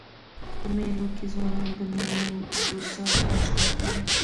په مېلو کښي ځوانان د نوو دوستانو سره اشنا کېږي.